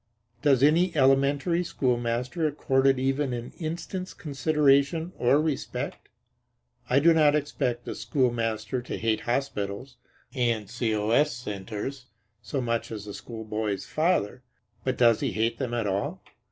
Does any elementary schoolmaster accord it even an instant's consideration or respect? I do not expect the schoolmaster to hate hospitals and C.O.S. centers so much as the schoolboy's father; but does he hate them at all?